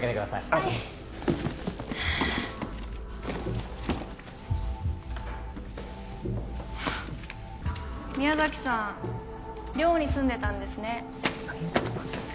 はい宮崎さん寮に住んでたんですね